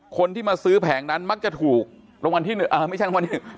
คนที่มาซื้อแผงนั้นมักจะถูกรางวัลที่หนึ่งอ่าไม่ใช่รางวัลหนึ่ง